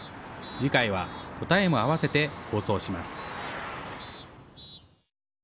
次回は答えも合わせて放送します。